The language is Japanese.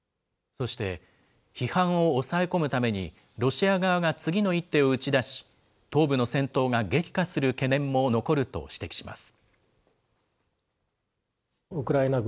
そして、批判を抑え込むために、ロシア側が次の一手を打ち出し、東部の戦闘が激化する懸念も残ると指摘します。